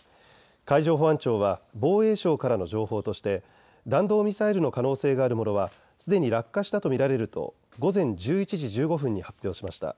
海上保安庁は防衛省からの情報として弾道ミサイルの可能性があるものはすでに落下したと見られると午前１１時１５分に発表しました。